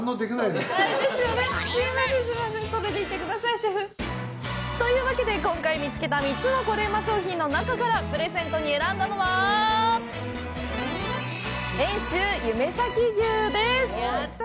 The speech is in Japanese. それでいてください、シェフ。というわけで、今回見つけた３つのコレうま商品の中からプレゼントに選んだのは遠州夢咲牛です。